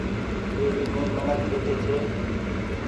ٻيڙي مين منک ٻيٺي ڇي۔